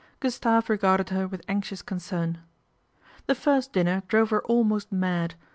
Gustave regarded her with anxious concern. The first dinner drove her almost mad.